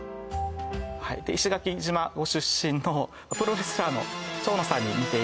はいで石垣島ご出身のプロレスラーの蝶野さんに似ている